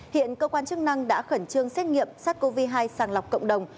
hiện cơ quan chức năng đã khẩn trương xét nghiệm sars cov hai sàng lọc cộng đồng